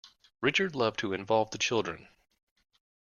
Richard loved to involve the children.